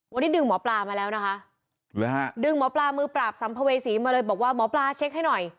วันนี้ดึงหมอปลามาแล้วนะคะหรือฮะดึงหมอปลามือปราบสัมภเวษีมาเลยบอกว่าหมอปลาเช็คให้หน่อย